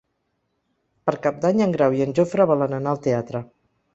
Per Cap d'Any en Grau i en Jofre volen anar al teatre.